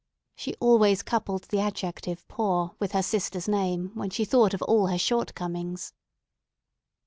She always coupled the adjective "poor" with her sister's name when she thought of all her shortcomings.